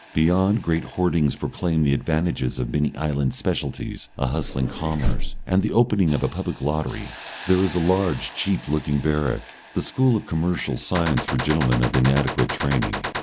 Beyond, great hoardings proclaim the advantages of many island specialities, a hustling commerce, and the opening of a Public Lottery. There is a large cheap looking barrack, the school of Commercial Science for gentlemen of inadequate training....